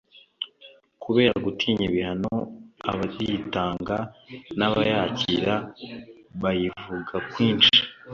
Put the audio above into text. Kubera gutinya ibihano, abayitanga n’abayakira bayivuga kwinshi